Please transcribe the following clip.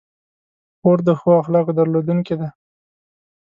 خور د ښو اخلاقو درلودونکې ده.